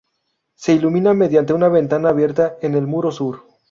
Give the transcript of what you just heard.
Se ilumina mediante una ventana abierta en el muro sur.